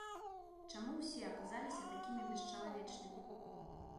Чаму ўсе аказаліся такімі бесчалавечнымі?